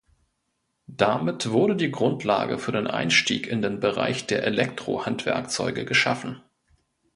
Damit wurde die Grundlage für den Einstieg in den Bereich der Elektrohandwerkzeuge geschaffen.